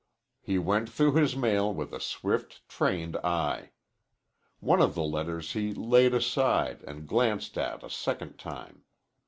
He went through his mail with a swift, trained eye. One of the letters he laid aside and glanced at a second time.